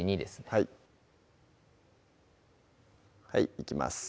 はいはいいきます